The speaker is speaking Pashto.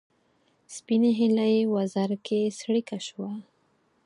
سپینې هیلۍ وزر کې څړیکه شوه